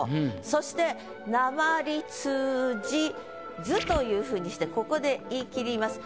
そして「訛り通じず」という風にしてここで言い切ります。